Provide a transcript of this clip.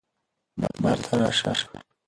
بازار ته راشه.